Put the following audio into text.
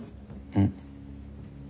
うん。